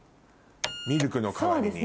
ミルクの代わりに。